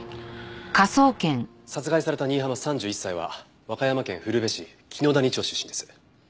殺害された新浜３１歳は和歌山県古辺市紀野谷町出身です。